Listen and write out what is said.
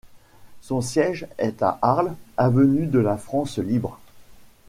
Son siège est à Arles, Avenue de la France Libre.